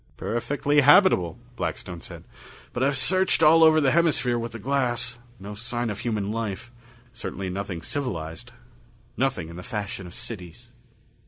"Perfectly habitable," Blackstone said. "But I've searched all over the hemisphere with the glass. No sign of human life certainly nothing civilized nothing in the fashion of cities."